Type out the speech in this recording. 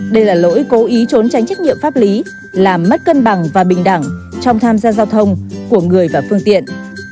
đây là lỗi cố ý trốn tránh trách nhiệm pháp lý làm mất cân bằng và bình đẳng trong tham gia giao thông của người và phương tiện